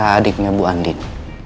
eh elsa adiknya bu andin